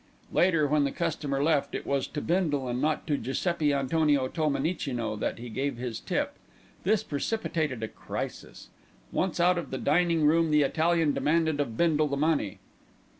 Later, when the customer left, it was to Bindle and not to Giuseppi Antonio Tolmenicino that he gave his tip. This precipitated a crisis. Once out of the dining room the Italian demanded of Bindle the money.